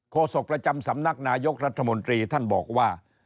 โศกประจำสำนักนายกรัฐมนตรีท่านบอกว่า